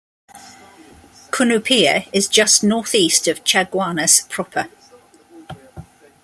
Cunupia is just northeast of Chaguanas proper.